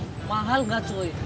gak ada yang mahal gak cuy